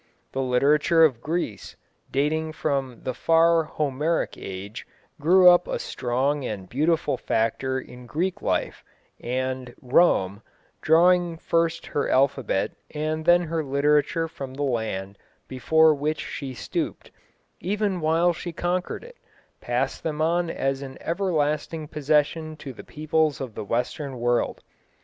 The literature of Greece, dating from the far Homeric age, grew up a strong and beautiful factor in Greek life, and Rome, drawing first her alphabet and then her literature from the land before which she stooped, even while she conquered it, passed them on as an everlasting possession to the peoples of the western world.